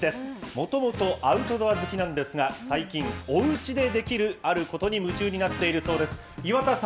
もともとアウトドア好きなんですが、最近、おうちでできるあることに夢中になっているそうです。